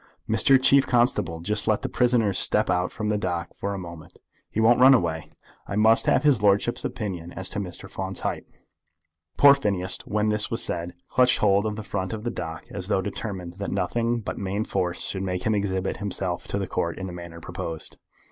Mr. Chief Constable, just let the prisoner step out from the dock for a moment. He won't run away. I must have his lordship's opinion as to Mr. Finn's height." Poor Phineas, when this was said, clutched hold of the front of the dock, as though determined that nothing but main force should make him exhibit himself to the Court in the manner proposed.